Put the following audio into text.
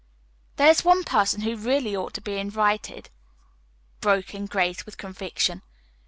"There is one person who really ought to be invited," broke in Grace, with conviction.